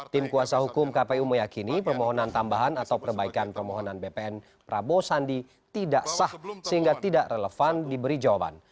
tim kuasa hukum kpu meyakini permohonan tambahan atau perbaikan permohonan bpn prabowo sandi tidak sah sehingga tidak relevan diberi jawaban